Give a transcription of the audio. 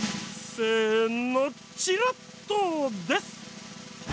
せのチラッとです！